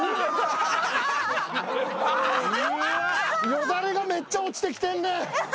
よだれがめっちゃ落ちてきてんねん！